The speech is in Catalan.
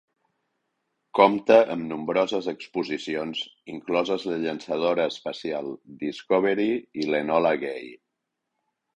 Compta amb nombroses exposicions, incloses la llançadora espacial "Discovery" i l'"Enola Gay".